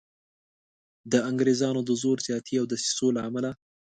د انګریزانو د زور زیاتي او دسیسو له امله.